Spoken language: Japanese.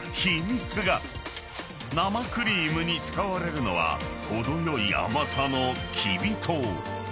［生クリームに使われるのは程よい甘さの］